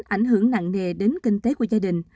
ảnh hưởng nặng nề đến kinh tế của gia đình